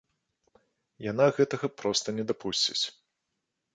Яна гэтага проста не дапусціць.